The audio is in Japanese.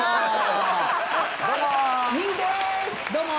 どうも！